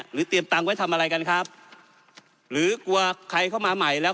เตรียมตังค์ไว้ทำอะไรกันครับหรือกลัวใครเข้ามาใหม่แล้ว